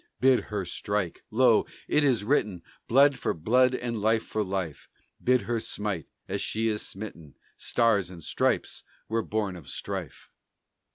Bid her strike! Lo, it is written Blood for blood and life for life. Bid her smite, as she is smitten; Stars and stripes were born of strife.